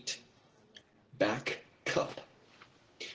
BACK CUP.